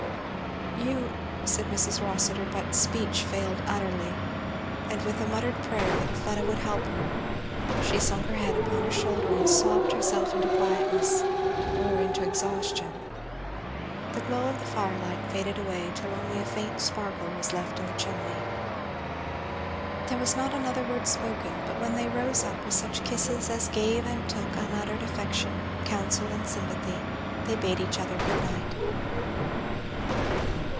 "You," said Mrs. Rossitur, but speech failed utterly, and with a muttered prayer that Fleda would help her, she sunk her head upon her shoulder and sobbed herself into quietness, or into exhaustion. The glow of the firelight faded away till only a faint sparkle was left in the chimney. There was not another word spoken, but when they rose up, with such kisses as gave and took unuttered affection, counsel and sympathy, they bade each other good night.